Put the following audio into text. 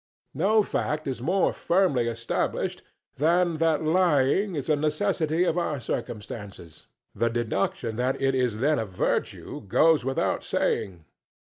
] No fact is more firmly established than that lying is a necessity of our circumstances the deduction that it is then a Virtue goes without saying.